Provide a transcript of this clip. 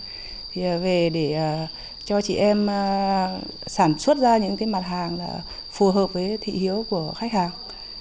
thì về để cho chị em sản xuất ra những cái mặt hàng là phù hợp với thị hiếu của khách hàng